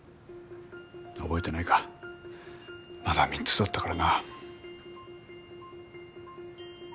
覚えてないかまだ３つだったからな。